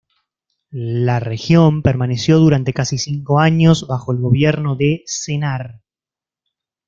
La región permaneció durante casi cinco años bajo el gobierno de Sennar.